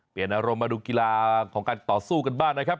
อารมณ์มาดูกีฬาของการต่อสู้กันบ้างนะครับ